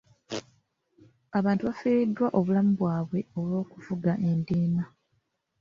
Abantu bafiiriddwa obulamu bwabwe olw'okuvuga endiima.